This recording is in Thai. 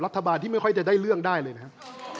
รัฐบาลที่ไม่ค่อยจะได้เรื่องได้เลยนะครับ